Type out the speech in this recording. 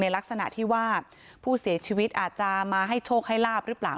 ลักษณะที่ว่าผู้เสียชีวิตอาจจะมาให้โชคให้ลาบหรือเปล่า